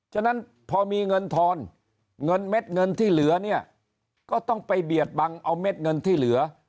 ฉะนั้นพอมีเงินทอนเงินเม็ดเงินที่เหลือเนี่ยก็ต้องไปเบียดบังเอาเม็ดเงินที่เหลือ